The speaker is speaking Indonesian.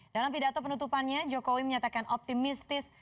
dalam pidato penutupannya jokowi menyatakan optimistis